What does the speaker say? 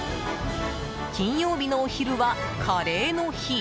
金曜日のお昼はカレーの日。